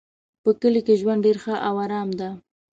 په کلي کې ژوند ډېر ښه او آرام ده